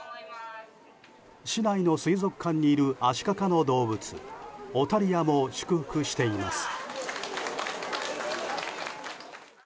市内の水族館にいるアシカ科の動物オタリアも祝福しています。